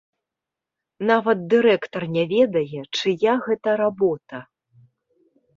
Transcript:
Нават дырэктар не ведае, чыя гэта работа.